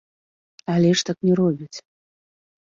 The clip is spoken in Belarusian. Але ж так не робяць.